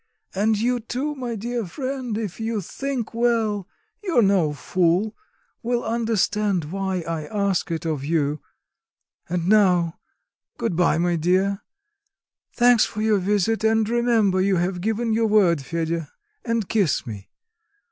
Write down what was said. And you too, my dear friend, if you think well, you're no fool will understand why I ask it of you. And now, good bye, my dear. Thanks for your visit; and remember you have given your word, Fedya, and kiss me.